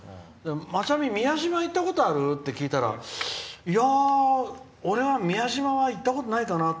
まちゃみ宮島、行ったことある？って聞いたらいや、俺は、宮島は行ったことないかな。